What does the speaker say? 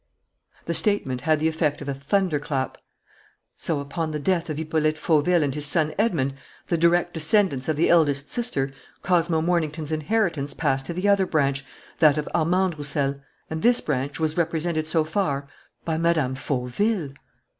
The statement had the effect of a thunderclap. So, upon the death of Hippolyte Fauville and his son Edmond, the direct descendants of the eldest sister, Cosmo Mornington's inheritance passed to the other branch, that of Armande Roussel; and this branch was represented so far by Mme. Fauville!